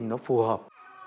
nó phù hợp